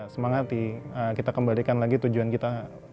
semangat di kita kembalikan lagi tujuan kita